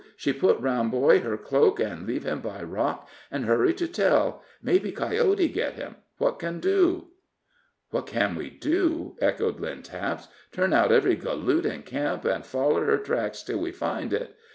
She put round boy her cloak, an' leave him by rock, an' hurry to tell. Maybe coyote get him. What can do?" "What can we do?" echoed Lynn Taps; "turn out every galoot in camp, and foller her tracks till we find it.